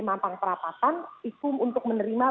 mampang perapatan itu untuk menerima